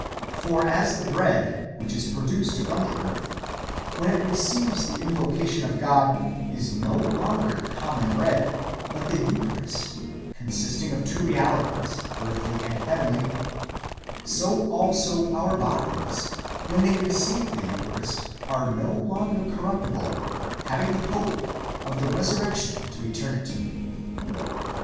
^ For as the bread, which is produced from the earth, when it receives the invocation of God, is no longer common bread,^ but the Eucharist, consisting of two realities, earthly and heavenly ; so also our bodies, when they receive the Eucha rist, are no longer corruptible, having the hope of the resur rection to eternity.